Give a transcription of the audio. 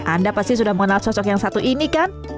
anda pasti sudah mengenal sosok yang satu ini kan